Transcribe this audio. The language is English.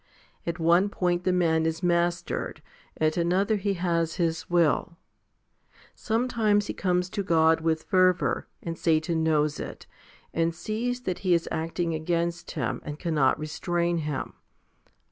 At one point the man is mastered, at another he has his will. Sometimes he comes to God with fervour, and Satan knows it, and sees that he is acting against him, and cannot restrain him.